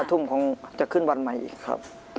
ทุ่มคงจะขึ้นวันใหม่อีกครับ